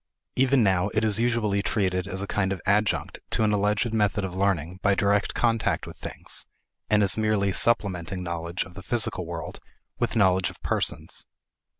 Even now it is usually treated as a kind of adjunct to an alleged method of learning by direct contact with things, and as merely supplementing knowledge of the physical world with knowledge of persons.